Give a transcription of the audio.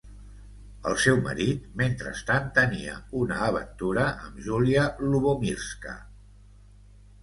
El seu marit, mentrestant, tenia una aventura amb Julia Lubomirska.